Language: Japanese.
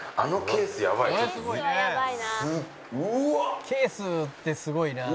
「ケースってすごいな」